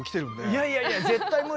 いやいやいや絶対無理。